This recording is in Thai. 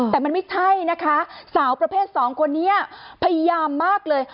แต่มันไม่ใช่นะคะสาวประเภทสองคนนี้พยายามมากเลย